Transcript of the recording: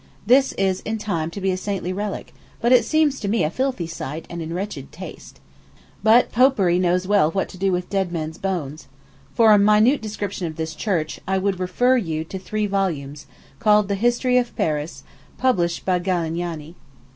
This is in time to be a saintly relic, but it seems to me a filthy sight, and in wretched taste. But Popery knows well what to do with dead men's bones. For a minute description of this church, I would refer you to three volumes, called the "History of Paris," published by Galignani.